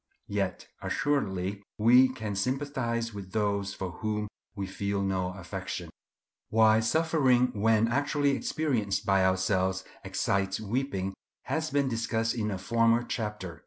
Yet assuredly we can sympathize with those for whom we feel no affection. Why suffering, when actually experienced by ourselves, excites weeping, has been discussed in a former chapter.